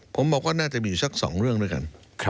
ผมบอกว่าน่าจะมีสัก๒เรื่องด้วยกัน